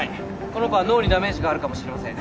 この子は脳にダメージがあるかもしれません。